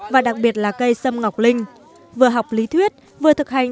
và đặc biệt là cây sâm ngọc linh vừa học lý thuyết vừa thực hành